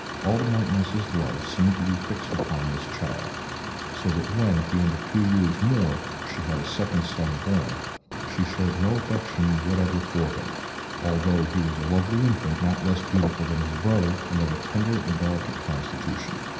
All the Marchioness's love seemed to be fixed upon this child, so that when, at the end of two years more, she had a second son born, she showed no affection whatever for him, although he was a lovely infant, not less beautiful than his brother, and of a tender and delicate constitution.